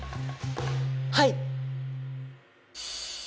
はい！